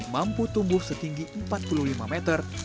mampu tumbuh setinggi empat puluh lima meter